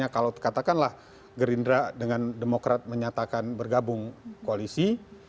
kalau katakanlah gerindra dengan demokrat menyatakan bergabung koalisi